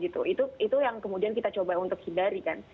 itu yang kemudian kita coba untuk hidarikan